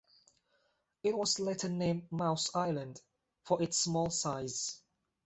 It was later named Mouse Island for its small size.